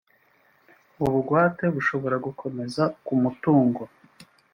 ubugwate bushobora gukomeza ku mutungo